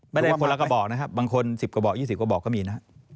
ไม่ได้คนละกระบอกนะฮะบางคน๑๐กว่าล้านกระบอก๒๐กว่าล้านกระบอกก็มีนะฮะ